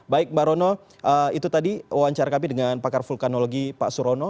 baik mbak rono itu tadi wawancara kami dengan pakar vulkanologi pak surono